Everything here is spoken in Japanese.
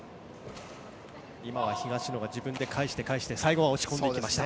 今は東野が自分で返して最後は押し込んでいきました。